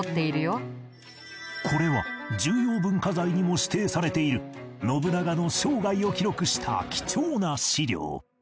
これは重要文化財にも指定されている信長の生涯を記録した貴重な史料